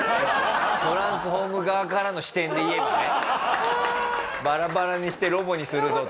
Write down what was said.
トランスフォーム側からの視点でいえばねバラバラにしてロボにするぞと。